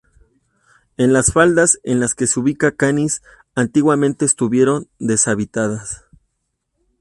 En las faldas en la que se ubica Canis, antiguamente estuvieron deshabitadas.